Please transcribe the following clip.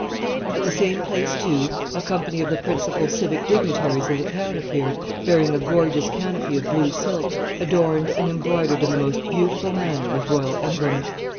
At the same place, too, a company of the principal civic dignitaries of the town appeared, bearing a gorgeous canopy of blue silk, adorned and embroidered in the most beautiful manner with royal emblems.